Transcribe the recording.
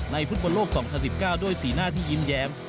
ฟุตบอลโลก๒๐๑๙ด้วยสีหน้าที่ยิ้มแย้ม